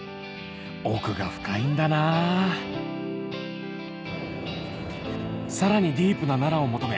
奥が深いんだなさらにディープな奈良を求め